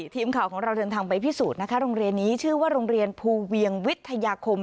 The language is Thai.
ทีมข่าวของเราเดินทางไปพิสูจน์นะคะโรงเรียนนี้ชื่อว่าโรงเรียนภูเวียงวิทยาคม